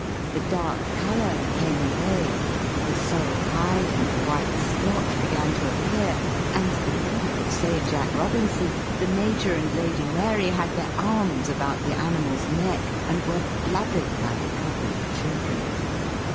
The dark colour came away, the sorrel hide and the white splotch began to appear, and before you could say Jack Robinson, the major and Lady Mary had their arms about the animal's neck and were blubbing like a couple of children.